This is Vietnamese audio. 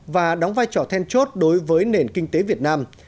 và đóng vai trò then chốt đối với nền kinh tế việt nam